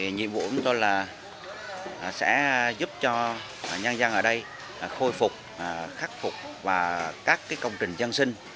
nhiệm vụ của tôi là sẽ giúp cho nhân dân ở đây khôi phục khắc phục và các công trình dân sinh